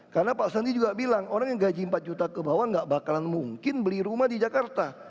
karena pak sandi juga bilang orang yang gaji empat juta kebawah gak bakalan mungkin beli rumah di jakarta